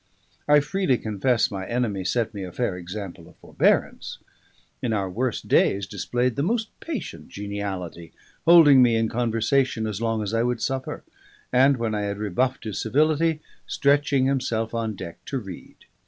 I freely confess my enemy set me a fair example of forbearance; in our worst days displayed the most patient geniality, holding me in conversation as long as I would suffer, and when I had rebuffed his civility, stretching himself on deck to read.